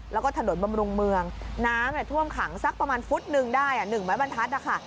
แล้วก็ถนนบำรุงเมืองน้ำท่วมขังสักประมาณฟุตหนึ่งได้๑ไม้บรรทัศน์นะคะ